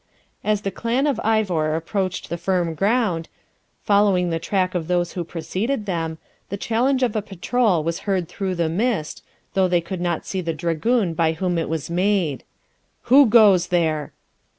As the clan of Ivor approached the firm ground, following the track of those who preceded them, the challenge of a patrol was heard through the mist, though they could not see the dragoon by whom it was made 'Who goes there?'